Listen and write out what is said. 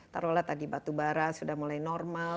taruh lah tadi batubara sudah mulai normal